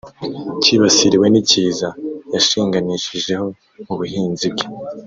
kibasirwa n’ikiza yashinganishijeho ubuhinzi bwe